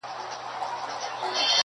د علم په کومه درجه کي دی